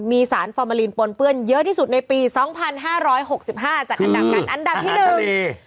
มีสารฟอร์มาลีนปนเปื้อนเยอะที่สุดในปี๒๕๖๕จากอันดับ๑อันดับที่๑อาหารทะเล